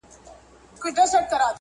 موږ افغان وطن